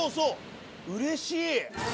うれしい。